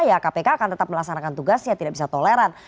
ya kpk akan tetap melaksanakan tugasnya tidak bisa toleran